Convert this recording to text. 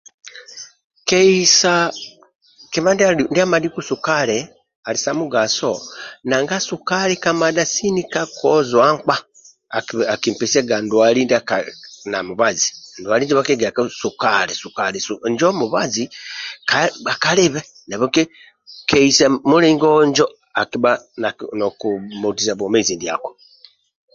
Keisa kima ndia madhiku sukali Ali samugaso nanga sukali Ali zidhi kakozua nkpa akipaga ndwali ndiakali namubazi ndi bha giaga ku ngu sukali sukali Mubazi kalibhe